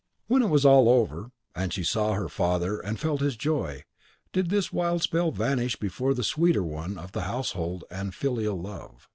Only when all was over, and she saw her father and felt his joy, did this wild spell vanish before the sweeter one of the household and filial love.